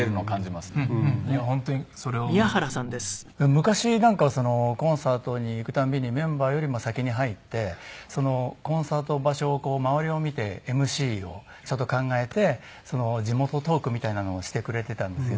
昔なんかはコンサートに行く度にメンバーよりも先に入ってコンサート場所を周りを見てＭＣをちゃんと考えて地元トークみたいなのをしてくれていたんですけど。